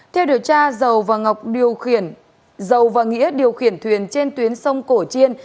theo điều tra giàu và ngọc điều khiển thuyền trên tuyến sông cổ chiên